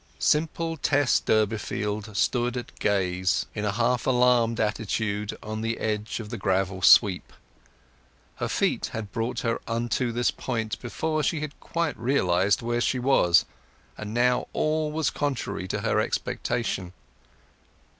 Simple Tess Durbeyfield stood at gaze, in a half alarmed attitude, on the edge of the gravel sweep. Her feet had brought her onward to this point before she had quite realized where she was; and now all was contrary to her expectation.